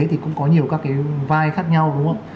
thì cũng có nhiều các cái vai khác nhau đúng không ạ